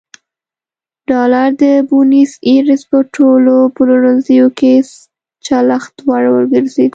ډالر د بونیس ایرس په ټولو پلورنځیو کې چلښت وړ وګرځېد.